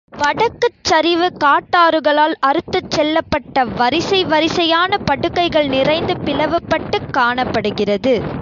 வடக்குச் சரிவு காட்டாறுகளால் அறுத்துச் செல்லப் பட்ட வரிசை வரிசையான படுகைகள் நிறைந்து பிளவுபட்டுக் காணப்படுகிறது.